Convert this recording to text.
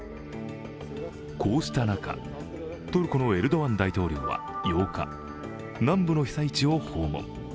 こうした中トルコのエルドアン大統領は８日南部の被災地を訪問。